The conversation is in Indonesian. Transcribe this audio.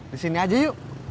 di sini aja yuk